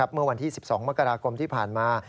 เมื่อวันที่๑๒มกราคมที่ผ่านมา